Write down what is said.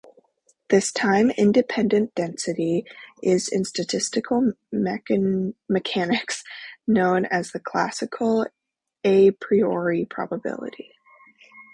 This time-independent density is in statistical mechanics known as the classical a priori probability.